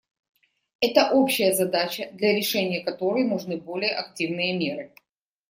Это общая задача, для решения которой нужны более активные меры.